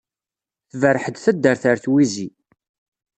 Tberreḥ-d taddart ɣer twizi.